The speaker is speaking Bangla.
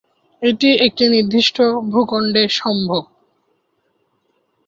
এটি একটি নির্দিষ্ট ভূখণ্ডে সম্ভব।